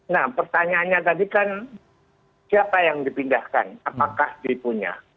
nah pertanyaannya tadi kan siapa yang dipindahkan